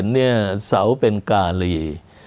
เนี่ยเสาเป็นกาลี